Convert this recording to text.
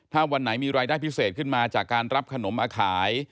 ถ้าวันไหนมีรายได้พิเศษขึ้นมาจากการรับขนมมาขาย